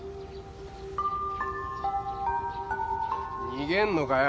逃げんのかよ？